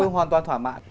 tôi hoàn toàn thoả mạng